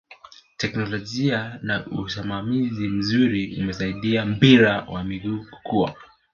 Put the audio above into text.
teknolojia na usimamizi mzuri umesaidia mpira wa miguu kukua